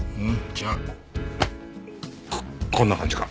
じゃあこっこんな感じか？